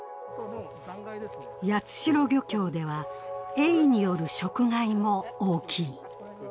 八代漁協では、エイによる食害も大きい。